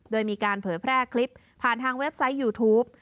โดยมีการเผยแพร่คลิปผ่านทางเว็บไซต์ยูทูป